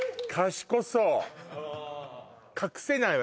隠せないわ